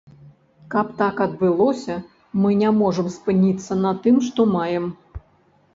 Каб так адбылося, мы не можам спыніцца на тым, што маем.